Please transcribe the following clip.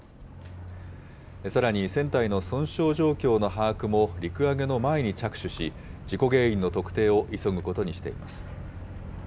さらに、船体の損傷状況の把握も陸揚げの前に着手し、事故原因の特定を急ぐことにしています。